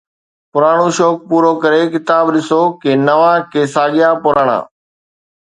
پراڻو شوق پورو ڪري، ڪتاب ڏسو، ڪي نوان، ڪي ساڳيا پراڻا